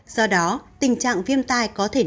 do đó tình trạng viêm tay có thể nặng